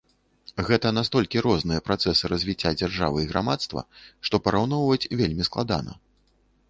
Гэта настолькі розныя працэсы развіцця дзяржавы і грамадства, што параўноўваць вельмі складана.